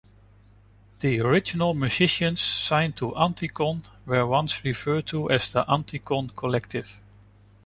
The original musicians signed to Anticon were once referred to as the Anticon collective.